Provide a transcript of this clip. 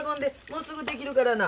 もうすぐ出来るからな。